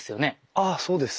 あっそうです。